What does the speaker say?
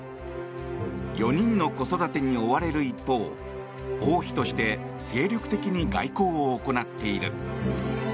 ４人の子育てに追われる一方王妃として精力的に外交を行っている。